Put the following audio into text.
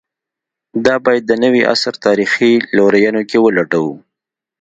دا باید د نوي عصر تاریخي لورینو کې ولټوو.